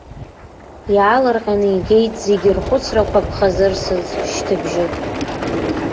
Иаалырҟьаны игеит зегьы рхәыцрақәа ԥхазырсыз шьҭыбжьык.